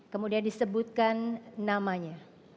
kemudian disebutkan namanya